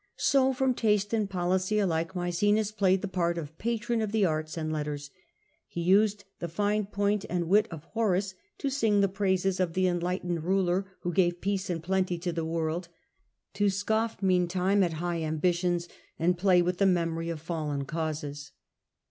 So from taste and policy alike Maecenas played the part of patron of the arts and letters. He used the ,.^. 1 • r T T • 1 ^ hne point and wit of Horace to sing the patron, praises of the enlightened ruler who gave Horace, peace and plenty to the world, to scoff meantime at high ambitions, and play with the memory of fallen causes.